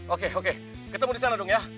oke oke ketemu di sana dong ya